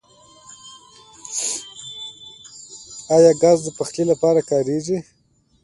آیا ګاز د پخلي لپاره کاریږي؟